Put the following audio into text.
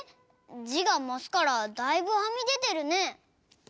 じがマスからだいぶはみでてるね。